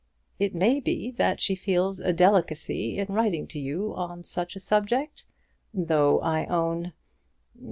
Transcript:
"It may be that she feels a delicacy in writing to you on such a subject; though I own